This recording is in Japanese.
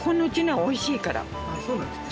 そうなんですか。